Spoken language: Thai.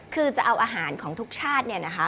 คือจะเอาอาหารของทุกชาติเนี่ยนะคะ